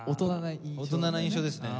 大人な印象をね。